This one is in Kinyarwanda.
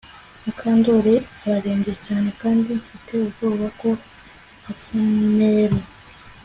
Mukandoli ararembye cyane kandi mfite ubwoba ko apfa Nero